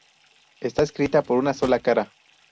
Está escrita por una sola cara.